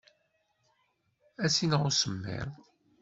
Ad tt-ineɣ usemmiḍ.